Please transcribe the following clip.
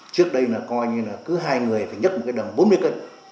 trước đây là coi như là cứ hai người phải nhấc một cái đầm bốn mươi cân